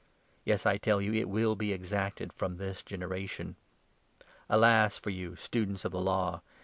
Yes, I tell you, it will be exacted from this generation. Alas for you 52 Students of the Law